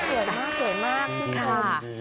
สวยมากค่ะ